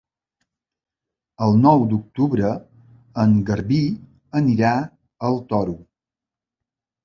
El nou d'octubre en Garbí anirà al Toro.